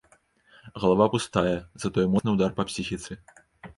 Галава пустая, затое моцны ўдар па псіхіцы.